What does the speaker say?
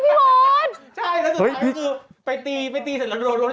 เป็นการกระตุ้นการไหลเวียนของเลือด